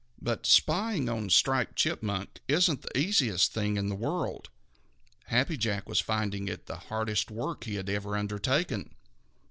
But spying on Striped Chipmunk isn't the easiest thing in the world. Happy Jack was finding it the hardest work he had ever undertaken.